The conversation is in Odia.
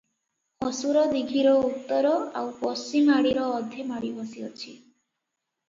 ଅସୁରଦୀଘିର ଉତ୍ତର ଆଉ ପଶ୍ଚିମଆଡ଼ିର ଅଧେ ମାଡ଼ିବସିଅଛି ।